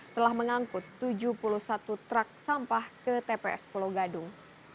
telah mengangkut tujuh puluh satu truk sampah ke tps pulau gadung